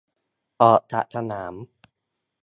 ออกจากสนาม